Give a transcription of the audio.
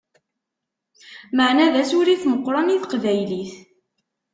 Meεna d asurif meqqren i teqbaylit!